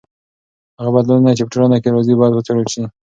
هغه بدلونونه چې په ټولنه کې راځي باید وڅېړل سي.